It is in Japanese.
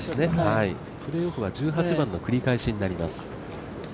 プレーオフは１８番の繰り返しになります。